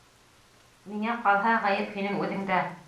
Миңә ҡалһа, ғәйеп һинең үҙеңдә.